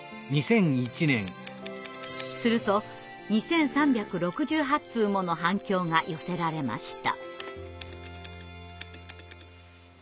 すると２３６８通もの反響が寄せられました。